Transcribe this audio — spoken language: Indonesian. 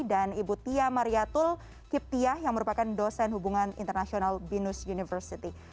dan ibu tia mariatul kip tia yang merupakan dosen hubungan internasional binus university